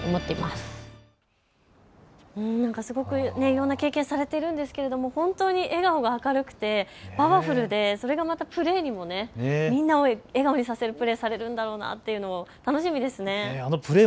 いろんな経験をされているんですけれども本当に笑顔が明るくて、パワフルで、それがまたプレーににも、みんなを笑顔にさせるプレーされるんだろうなっていうのも楽しみですね。